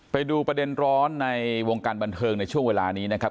ไปดูประเด็นร้อนในวงการบันเทิงในช่วงเวลานี้นะครับ